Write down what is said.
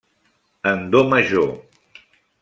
En do major.